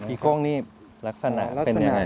อีโก้งนี่ลักษณะเป็นอย่างไรครับ